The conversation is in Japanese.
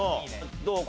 どう？